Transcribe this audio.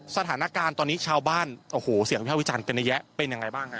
สถานการณ์ตอนนี้ชาวบ้านโอ้โหเสียงวิพากษ์วิจารณ์กันในแยะเป็นอย่างไรบ้างครับ